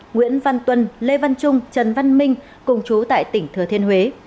nguyễn văn tuân lê văn trung trần văn minh cùng chú tại tỉnh thừa thiên huế